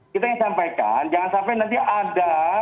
kita ingin sampaikan jangan sampai nanti ada